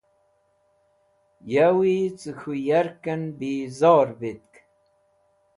Yawi cẽ k̃hũ yarkẽn bizor vitk